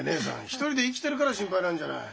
一人で生きてるから心配なんじゃない。